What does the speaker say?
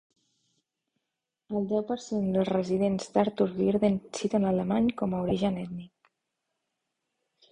El deu per cent dels residents d'Arthur-Virden citen l'alemany com a origen ètnic.